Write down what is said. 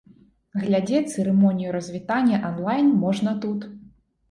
Глядзець цырымонію развітання анлайн можна тут.